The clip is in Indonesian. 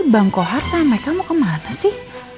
bang kohar sampai kamu kemana sih